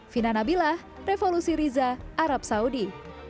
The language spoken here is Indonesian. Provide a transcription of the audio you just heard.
fina nabilah revolusi riza arab saudi